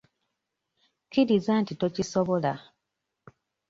Kkiriza nti tokisobola.